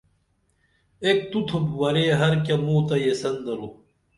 ایک تو تُھوپ ورے ہر کیہ موں تہ ییسن درو